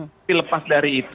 tapi lepas dari itu